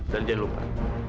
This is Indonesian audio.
dan jangan lupa